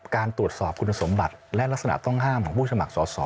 การตรวจสอบคุณสมบัติและลักษณะต้องห้ามของผู้สมัครสอสอ